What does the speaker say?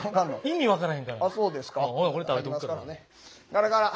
ガラガラ。